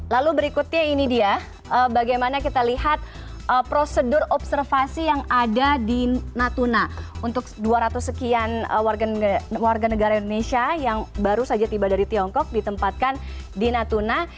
lalu berikutnya ini dia bagaimana kita lihat prosedur observasi yang ada di natuna untuk dua ratus sekian warga negara indonesia yang baru saja tiba dari tiongkok ditempatkan di natuna